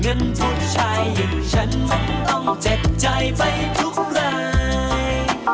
ผู้ชายอย่างฉันมันต้องเจ็บใจไปทุกราย